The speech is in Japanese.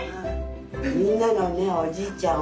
みんなのねおじいちゃん